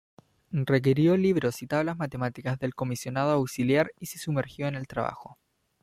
Requirió libros y tablas matemáticas del Comisionado Auxiliar y se sumergió en el trabajo.